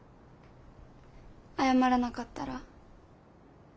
謝らなかったら？